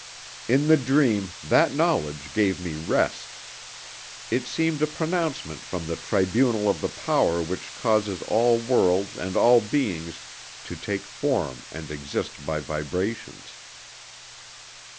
In the dream, that knowledge gave me rest. It seemed a pronouncement from the tribunal of the Power which causes all worlds and all beings to take form and exist by vibrations.